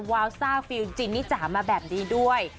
วาวซ่าฟิลจินนิจ๋ามาแบบนี้ด้วย